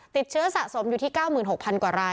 ติดเชื้อสะสมอยู่ที่๙๖๐๐กว่าราย